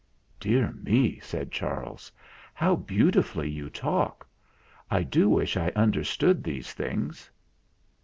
"Dear me!" said Charles, "how beautifully you talk. I do wish I understood these things."